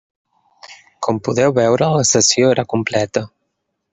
Com podeu veure, la sessió era completa.